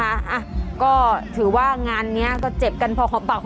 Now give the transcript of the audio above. อะก็ถือว่างานนี้ก็เจ็บกันพอ